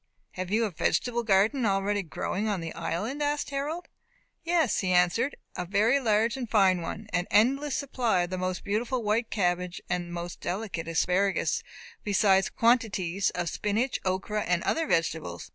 have you a vegetable garden already growing on the island?" asked Harold. "Yes," he answered, "a very large and fine one; an endless supply of the most beautiful white cabbage, and most delicate asparagus, besides quantities of spinach, okra, and other vegetables.